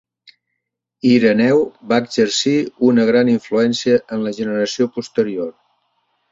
Ireneu va exercir una gran influència en la generació posterior.